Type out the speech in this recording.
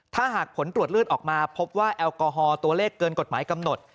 ถ้าหากผลตรวจเลือดออกมาพบว่าแอลกอฮอลตัวเลขเกินกฎหมายกำหนด